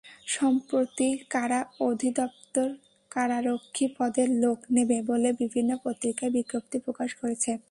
সম্প্রতি কারা অধিদপ্তর কারারক্ষী পদে লোক নেবে বলে বিভিন্ন পত্রিকায় বিজ্ঞপ্তি প্রকাশ করেছে।